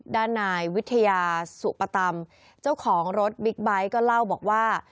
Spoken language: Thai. ด้านนายวิทยาสุปตำเจ้าของรถบิ๊กไบท์ก็เล่าบอกว่า